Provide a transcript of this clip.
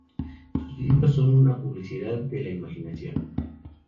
Sus libros son una publicidad de la inmigración.